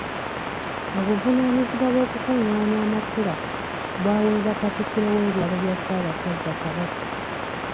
Obuvunaanyizibwa obwokukungaanya amakula bwaweebwa Katikkiro w'ebyalo bya Ssaabasajja Kabaka.